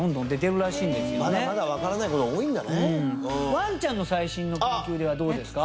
ワンちゃんの最新の研究ではどうですか？